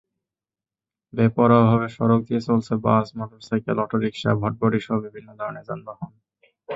বেপরোয়াভাবে সড়ক দিয়ে চলছে বাস, মোটরসাইকেল, অটোরিকশা, ভটভটিসহ বিভিন্ন ধরনের যানবাহন।